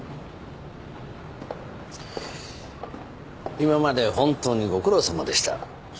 今まで本当にご苦労さまでした。